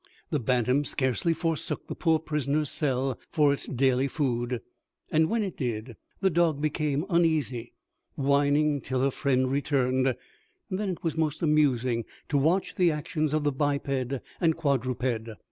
The bantam scarcely forsook the poor prisoner's cell for its daily food, and when it did the dog became uneasy, whining till her friend returned, and then it was most amusing to watch the actions of the biped and quadruped.